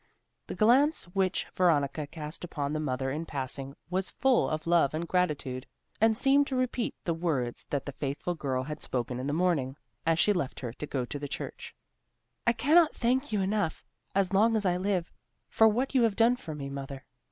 The glance which Veronica cast upon the mother in passing was full of love and gratitude; and seemed to repeat the words that the faithful girl had spoken in the morning, as she left her to go to the church. "I cannot thank you enough, as long as I live, for what you have done for me, mother."